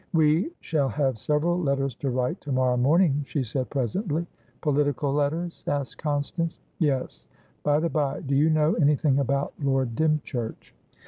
"We shall have several letters to write to morrow morning," she said presently. "Political letters?" asked Constance. "Yes. By the bye, do you know anything about Lord Dymchurch?"